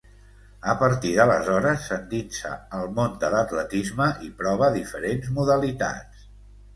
A partir d’aleshores, s’endinsa al món de l’atletisme i prova diferents modalitats.